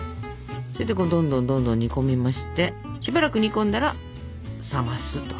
それでこれどんどんどんどん煮込みましてしばらく煮込んだら冷ますと。